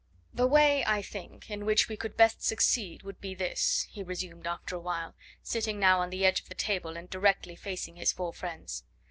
"The way, I think, in which we could best succeed would be this," he resumed after a while, sitting now on the edge of the table and directly facing his four friends.